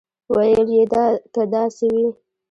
ویل یې که داسې وي.